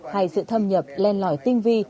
hài sự thâm nhập lên lõi tinh vi